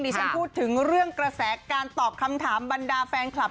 ฉันพูดถึงเรื่องกระแสการตอบคำถามบรรดาแฟนคลับ